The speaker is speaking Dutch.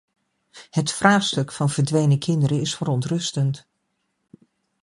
Het vraagstuk van verdwenen kinderen is verontrustend.